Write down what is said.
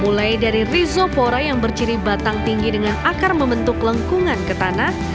mulai dari rizophora yang berciri batang tinggi dengan akar membentuk lengkungan ke tanah